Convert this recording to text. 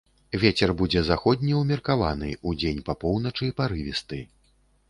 Вецер будзе заходні, умеркаваны, удзень па поўначы парывісты.